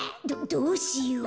どどうしよう。